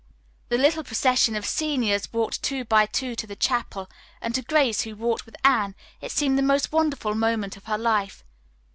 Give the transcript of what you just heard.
The little procession of seniors walked two by two to the chapel, and to Grace, who walked with Anne, it seemed the most wonderful moment of her life.